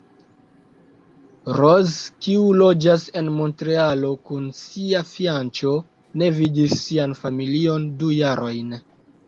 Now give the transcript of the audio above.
Rose, kiu loĝas en Montrealo kun sia fianĉo, ne vidis sian familion du jarojn.